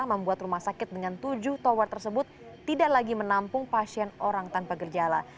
membuat rumah sakit dengan tujuh tower tersebut tidak lagi menampung pasien orang tanpa gejala